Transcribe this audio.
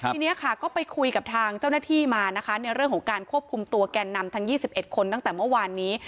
ทีนี้ค่ะก็ไปคุยกับทางเจ้าหน้าที่มานะคะในเรื่องของการควบคุมตัวแกนนำทั้ง๒๑คนตั้งแต่เมื่อวานนี้